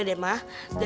oh ini dia